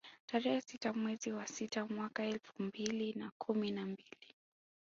Tarehe sita mwezi wa sita mwaka elfu mbili na kumi na mbili